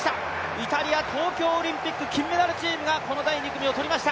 イタリア、東京オリンピック、金メダルチームがこの第２組を取りました。